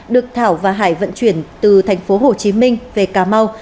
được thảo và hải vận chuyển từ tp hcm về cà mau